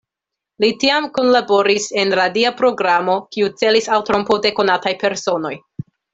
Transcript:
Li tiam kunlaboris en radia programo, kiu celis al trompo de konataj personoj.